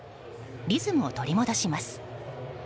リズムを取り戻します。